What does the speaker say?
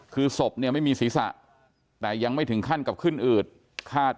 ครับผมไม่ได้แตะต้องเกี่ยวกับศพครับ